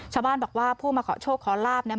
ชาวบ้านบอกว่าผู้มาขอโชคขอลาบเนี่ย